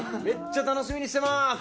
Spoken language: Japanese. めっちゃ楽しみにしてます！